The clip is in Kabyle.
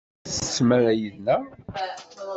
Ur tsettem ara yid-nneɣ?